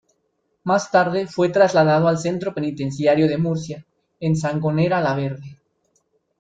Más tarde fue trasladado al Centro Penitenciario de Murcia, en Sangonera la Verde.